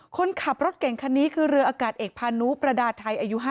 คนขับรถเก่งคันนี้คือเรืออากาศเอกพานุประดาไทยอายุ๕๐